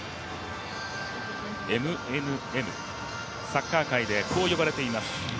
ＭＮＭ、サッカー界でこう呼ばれています。